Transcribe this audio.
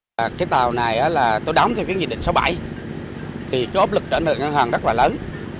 cái tàu này là tôi đóng theo cái nghị định sáu mươi bảy thì cái ốc lực trả nợ ngân hàng rất là lớn